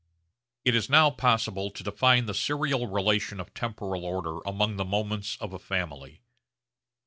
It is now possible to define the serial relation of temporal order among the moments of a family.